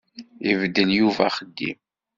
Ibeddel Yuba axeddim.